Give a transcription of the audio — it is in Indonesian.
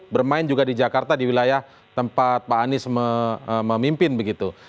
bermain juga di jakarta di wilayah tempat pak anies memimpin begitu